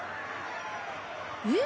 えっ？